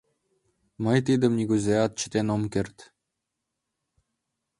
Мый тидым нигузеат чытен ом керт.